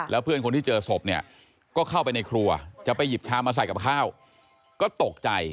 แล้วเพื่อนคนที่เจอศพเนี่ยก็เข้าไปในครัวจะไปหยิบชามมาใส่กับข้าวก็ตกใจ